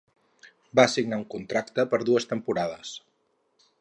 Va signar un contracte per dues temporades.